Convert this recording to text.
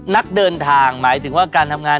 นักเดินทางหมายถึงว่าการทำงาน